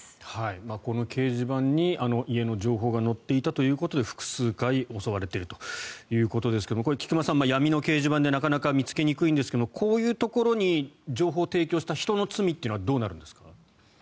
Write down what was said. この掲示板にあの家の情報が載っていたということで複数回襲われているということですが菊間さん、闇の掲示板でなかなか見つけにくいんですがこういうところに情報提供した人の罪っていうのはどうなるんですか？